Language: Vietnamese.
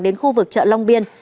đến khu vực chợ long biên